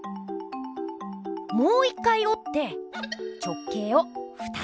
もう一回おって直径を２つ作る。